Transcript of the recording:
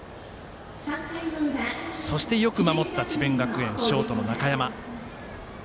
そして、よく守った智弁学園ショートの中山。